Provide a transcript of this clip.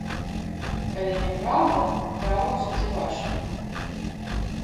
Калі няпраўда, права ў судзе ваша.